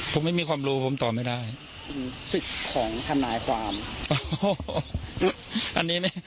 ผมไม่มีความรู้ผมตอบไม่ได้อืมสิทธิ์ของธนายความอ๋ออันนี้ไม่